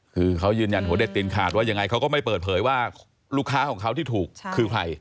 คือเขายืนยันหัวเด็ดตีนขาดว่ายังไงเขาก็ไม่เปิดเผยว่าลูกค้าของเขาที่ถูกคือใคร